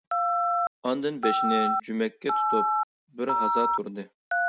ئاندىن بېشىنى جۈمەككە تۇتۇپ بىر ھازا تۇردى.